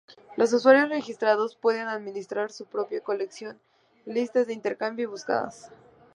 Los usuarios registrados pueden administrar su propia colección, listas de intercambio y buscadas.